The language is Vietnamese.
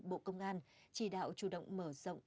bộ công an chỉ đạo chủ động mở rộng